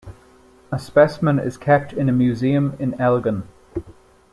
A specimen is kept in a museum in Elgin.